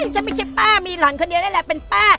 ฉันไม่คิดป้ามีหล่อนคนเดียวนี่แหละเป็นป้า